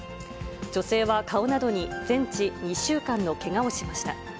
女性は顔などに全治２週間のけがをしました。